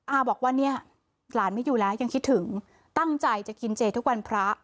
อาบอกว่าเนี่ยหลานไม่อยู่แล้วยังคิดถึงตั้งใจจะกินเจทุกวันพระ